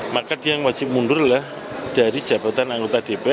maka dia yang wajib mundur lah dari jabatan anggota dpr